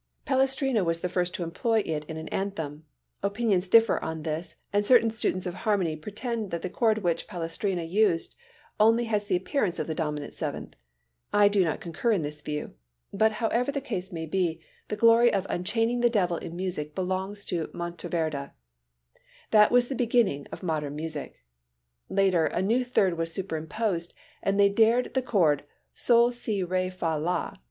Palestrina was the first to employ it in an anthem. Opinions differ on this, and certain students of harmony pretend that the chord which Palestrina used only has the appearance of the dominant seventh. I do not concur in this view. But however the case may be, the glory of unchaining the devil in music belongs to Montreverde. That was the beginning of modern music. Later, a new third was superimposed and they dared the chord sol si re fa la.